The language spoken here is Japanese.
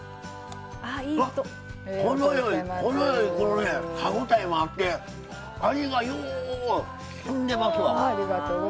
程よい歯応えもあって味がようしゅんでますわ。